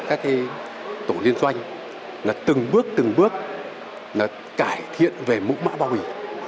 các tổ liên doanh từng bước từng bước cải thiện về mũ mã bao bì